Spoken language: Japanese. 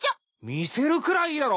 見せるくらいいいだろ。